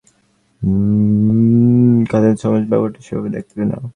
কিন্তু আমাদের সমাজ ব্যাপারটা সেভাবে দেখবে না।